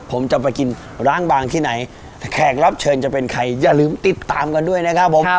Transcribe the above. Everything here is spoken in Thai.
ผมจะไปกินล้างบางที่ไหนแขกรับเชิญจะเป็นใครอย่าลืมติดตามกันด้วยนะครับผม